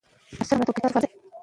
نیک اعمال غوره توښه ده.